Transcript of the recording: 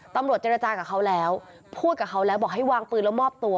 ตำรวจเจรจากับเขาแล้วพูดกับเขาแล้วบอกให้วางปืนแล้วมอบตัว